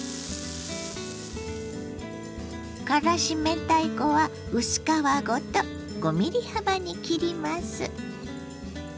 からし明太子は薄皮ごと５ｍｍ幅に切ります。